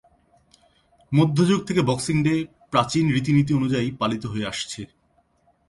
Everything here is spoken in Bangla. মধ্যযুগ থেকে বক্সিং ডে প্রাচীন রীতি-নীতি অনুযায়ী পালিত হয়ে আসছে।